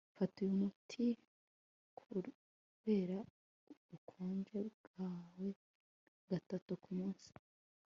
Fata uyu muti kubera ubukonje bwawe gatatu kumunsi